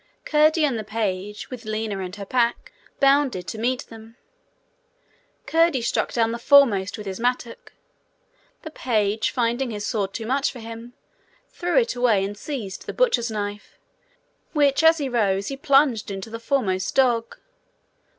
Curdie and the page, with Lina and her pack, bounded to meet them. Curdie struck down the foremost with his mattock. The page, finding his sword too much for him, threw it away and seized the butcher's knife, which as he rose he plunged into the foremost dog.